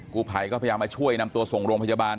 กู้ภัยก็พยายามมาช่วยนำตัวส่งโรงพยาบาล